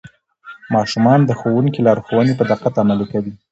ماشومان د ښوونکي لارښوونې په دقت عملي کوي